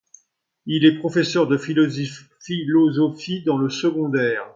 Il est professeur de philosophie dans le secondaire.